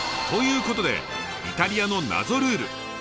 ということでイタリアの謎ルール